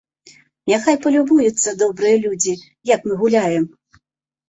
Няхай палюбуюцца добрыя людзі, як мы гуляем.